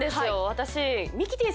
私。